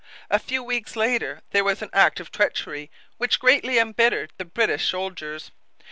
A few weeks later there was an act of treachery which greatly embittered the British soldiers.